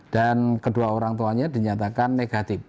dan kedua orang tuanya dinyatakan negatif